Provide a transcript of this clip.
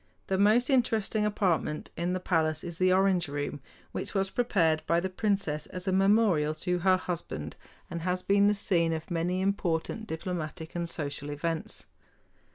The most interesting apartment in the palace is the Orange Room, which was prepared by the princess as a memorial to her husband, and has been the scene of many important diplomatic and social events.